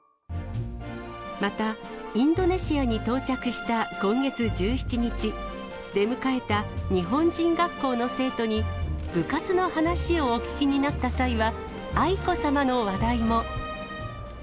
また、インドネシアに到着した今月１７日、出迎えた日本人学校の生徒に、部活の話をお聞きになった際は、愛子さまの話題も。